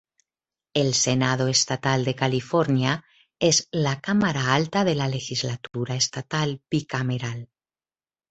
El Senado Estatal de California es la cámara alta de la Legislatura Estatal bicameral.